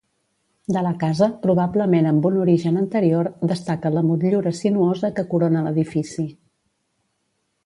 De la casa, probablement amb un origen anterior, destaca la motllura sinuosa que corona l'edifici.